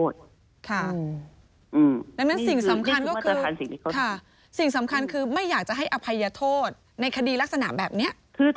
สิ่งสำคัญคือไม่อยากยัดให้อภัยยาโทษในคดีลักษณะแบบนี้